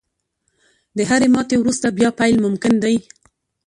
• د هرې ماتې وروسته، بیا پیل ممکن دی.